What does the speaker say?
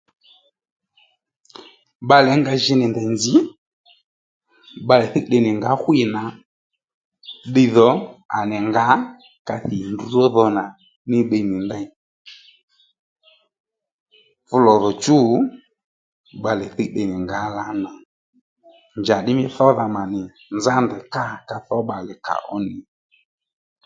Bbalè ónga ji nì ndèy nzǐ bbalè thíy tde nì ngǎ hwî nà ddiydhò à nì ngǎ ka thì ndrǔ ródho nà nì ddiy nì ndey fú lòdhò chû bbalè thíy tde nì ngǎ lǎnà njaddí mí thódha mànì nzá ndèy kâ ka thó bbalè kàó nì